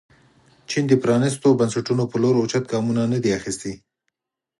چین د پرانیستو بنسټونو په لور اوچت ګامونه نه دي اخیستي.